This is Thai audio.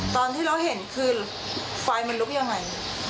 ตอนที่เราเห็นคือไฟมันลุกยังไง